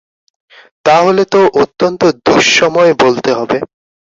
তা হলে তো অত্যন্ত দুঃসময় বলতে হবে।